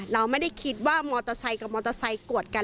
เราไม่ได้คิดว่ามอเตอร์ไซค์กับมอเตอร์ไซค์กวดกัน